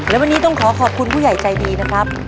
และวันนี้ต้องขอขอบคุณผู้ใหญ่ใจดีนะครับ